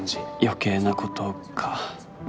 余計なことか